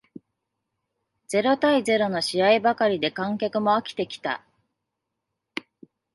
ゼロ対ゼロの試合ばかりで観客も飽きてきた